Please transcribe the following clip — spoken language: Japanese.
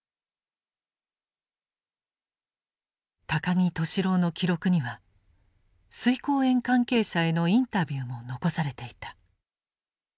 高木俊朗の記録には萃香園関係者へのインタビューも残されていた。